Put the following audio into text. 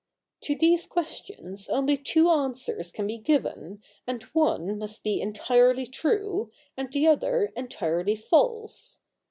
To these questions only two answers can be given, and one must be entirely true, and the other entirely false.